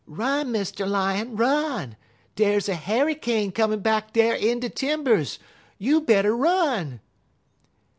"'Run, Mr. Lion, run! Dey's a harrycane comin' back dar in de timbers. You better run!'